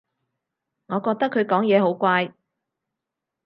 我覺得佢講嘢好怪